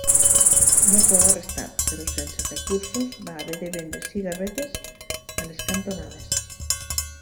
No fou arrestat, però sense recursos va haver de vendre cigarrets a les cantonades.